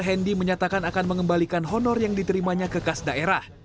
hendi menyatakan akan mengembalikan honor yang diterimanya ke kas daerah